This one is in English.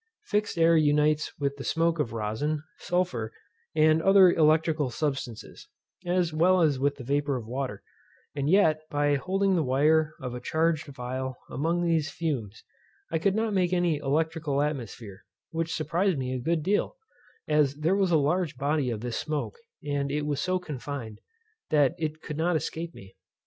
Fixed air unites with the smoke of rosin, sulphur, and other electrical substances, as well as with the vapour of water; and yet, by holding the wire of a charged phial among these fumes, I could not make any electrical atmosphere, which surprized me a good deal, as there was a large body of this smoke, and it was so confined, that it could not escape me.